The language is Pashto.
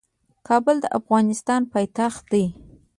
کابل د افغانستان پايتخت دي.